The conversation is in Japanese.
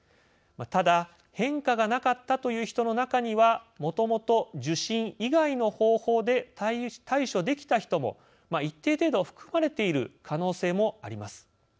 ただ、変化がなかったという人の中にはもともと受診以外の方法で対処できた人も一定程度、含まれている可能性もあります。